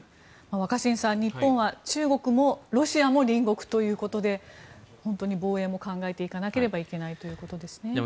若新さん、日本は中国もロシアも隣国ということで本当に防衛も考えていかなければいけないということですね。